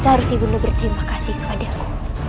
seharusnya bunda berterima kasih kepadaku